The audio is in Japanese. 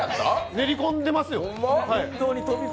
練り込んでますよ。